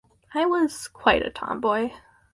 I was quite a tomboy.